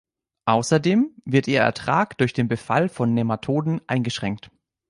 Außerdem wird ihr Ertrag durch den Befall von Nematoden eingeschränkt.